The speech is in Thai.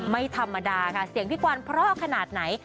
ไม่ธรรมดาค่ะเสียงพี่กวานเพราะขนาดไหน